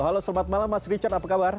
halo selamat malam mas richard apa kabar